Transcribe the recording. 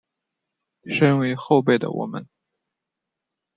身为后辈的我们